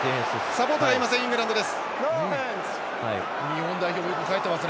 サポートはいませんイングランドです。